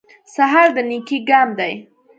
سهار د نېکۍ ګام دی.